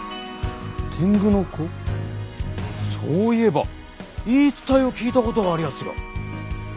そういえば言い伝えを聞いたことがありやすよ。